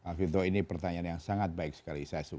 afidho ini pertanyaan yang sangat baik sekali